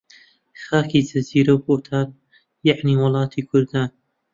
خاکی جزیر و بۆتان، یەعنی وڵاتی کوردان